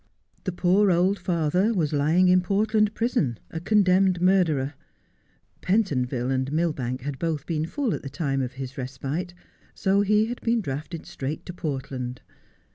The poor old father was lying in Portland prison, a condemned murderer. Pentonville and Millbank had both been full at the time of his respite, so he had been drafted straight to Portland.